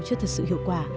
cho thật sự hiệu quả